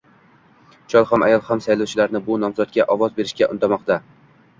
Chol ham, ayol ham saylovchilarni bu nomzodga ovoz berishga undamoqda